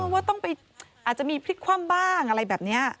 ว่าต้องไปอาจจะมีพลิกคว่ำบ้างอะไรแบบนี้